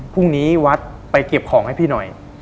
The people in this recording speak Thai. พรุ่งนี้วัดไปเก็บของให้พี่หน่อย